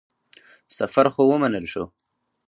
سفر خو ومنل شو.